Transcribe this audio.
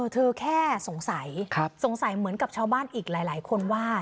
แค่สงสัยสงสัยเหมือนกับชาวบ้านอีกหลายคนว่า